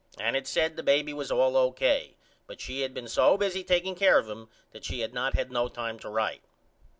And it said the baby was all O.K. but she had been so busy taking care of him that she had not had no time to write.